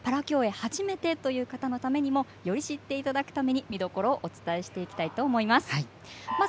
初めてという方のためにより知っていただくために見どころをお伝えしていきます。